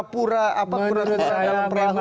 apa pura pura di dalam perang lu